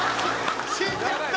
死んじゃった！